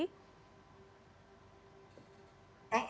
bagaimana dengan di dalam negeri